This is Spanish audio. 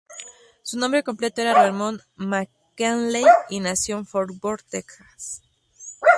Su nombre completo era Raymond McKinley, y nació en Fort Worth, Texas.